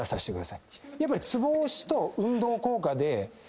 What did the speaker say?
やっぱりツボ押しと運動効果でこれを。